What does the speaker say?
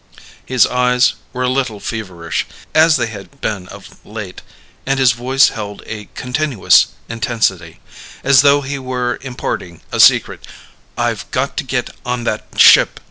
_ His eyes were a little feverish as they had been of late and his voice held a continuous intensity as though he were imparting a secret. "I've got to get on that ship!